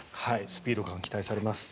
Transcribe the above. スピード感が期待されます。